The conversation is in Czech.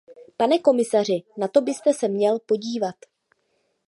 Pane komisaři, na to byste se měl podívat.